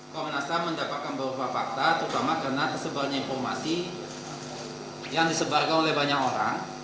komnas ham mendapatkan beberapa fakta terutama karena tersebarnya informasi yang disebarkan oleh banyak orang